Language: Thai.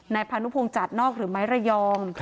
นายพาณุภวงจัตร์นอกหรือไมรยอง